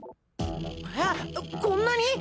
えっこんなに！？